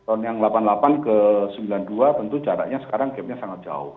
rp delapan puluh delapan ke rp sembilan puluh dua tentu jaraknya sekarang gap nya sangat jauh